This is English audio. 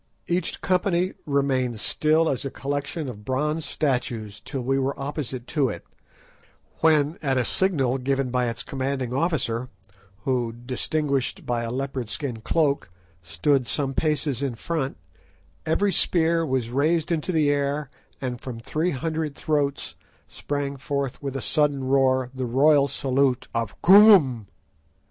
Each company remained still as a collection of bronze statues till we were opposite to it, when at a signal given by its commanding officer, who, distinguished by a leopard skin cloak, stood some paces in front, every spear was raised into the air, and from three hundred throats sprang forth with a sudden roar the royal salute of "Koom."